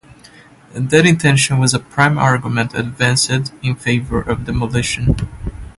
That intention was a prime argument advanced in favour of the demolition.